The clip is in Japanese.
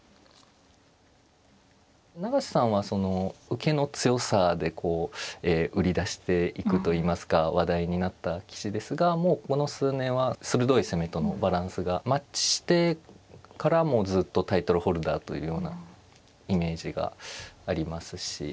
永瀬さんは受けの強さでこう売り出していくといいますか話題になった棋士ですがもうこの数年は鋭い攻めとのバランスがマッチしてからもうずっとタイトルホルダーというようなイメージがありますし。